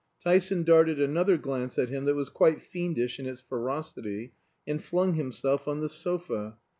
Tyson darted another glance at him that was quite fiendish in its ferocity, and flung himself on the sofa.